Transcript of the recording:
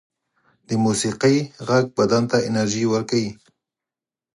د موسيقۍ غږ بدن ته انرژی ورکوي